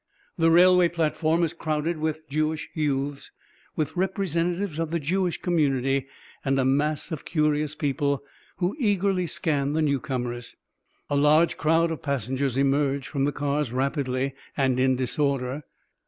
The railway platform is crowded with Jewish youths, with representatives of the Jewish community, and a mass of curious people who eagerly scan the newcomers. A large crowd of passengers emerge from the cars rapidly and in disorder.